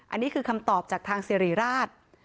อันนี้คือคำตอบจากทางสิริราช